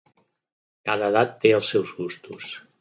Cada edat té els seus gusts.